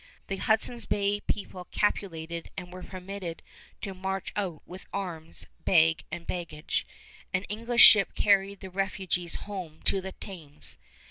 The Hudson's Bay people capitulated and were permitted to march out with arms, bag and baggage. An English ship carried the refugees home to the Thames.